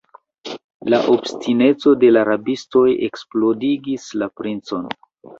La obstineco de la rabistoj eksplodigis la princon.